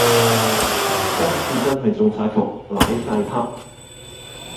今次真係中晒伏，瀨晒撻